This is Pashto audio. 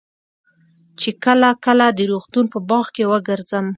چې کله کله د روغتون په باغ کښې وګرځم.